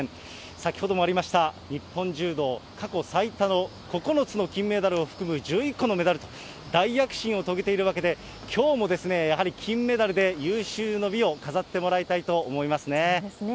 先ほどもありました、日本柔道過去最多の９つの金メダルを含む１１個のメダルと、大躍進を遂げているわけで、きょうもやはり金メダルで有終の美を飾ってもらいたいと思いますそうですね。